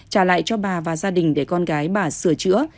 trả lại cho bà và gia đình để con gái bà sửa chữa